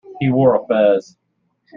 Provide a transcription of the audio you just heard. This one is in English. He wore a fez.